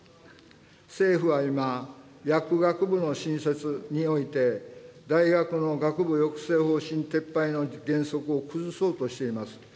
政府は今、薬学部の新設において、大学の学部抑制方針撤廃の原則を崩そうとしています。